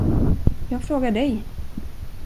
Jag frågar dig.